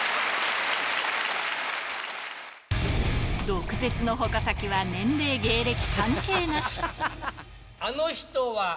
毒舌の矛先は、年齢、芸歴関係なし。